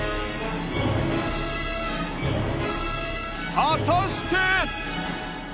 果たして！？